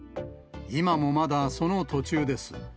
今もまだその途中です。